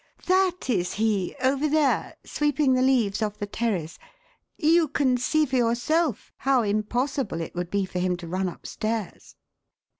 That is he, over there, sweeping the leaves off the terrace. You can see for yourself how impossible it would be for him to run upstairs."